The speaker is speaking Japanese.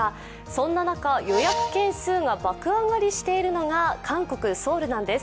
そんな中、予約件数が爆上がりしているのが韓国・ソウルなんです。